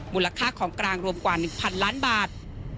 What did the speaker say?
มูลค่าของกลางรวมกว่า๑๐๐ล้านบาท